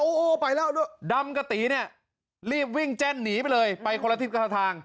โอ้โหไปแล้วด้วยดำกับตีเนี่ยรีบวิ่งแจ้นหนีไปเลยไปคนละทิศคนละทาง